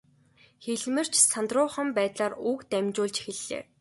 Хэлмэрч сандруухан байдлаар үг дамжуулж эхэллээ.